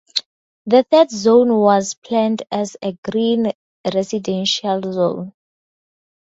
The third zone was planned as a green residential zone.